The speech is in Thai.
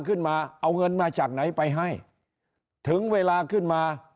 ขึ้นมาเอาเงินมาจากไหนไปให้ถึงเวลาขึ้นมา